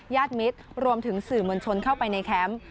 มิตรรวมถึงสื่อมวลชนเข้าไปในแคมป์